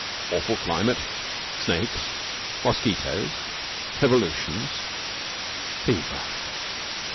Awful climate snakes, mosquitoes, revolutions, fever."